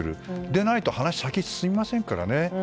でないと話先進みませんからね。